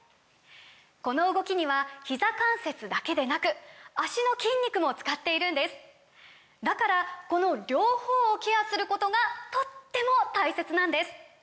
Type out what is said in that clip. この動きにはひざ関節だけでなく脚の筋肉も使っているんですだからこの両方をケアすることがとっても大切なんです！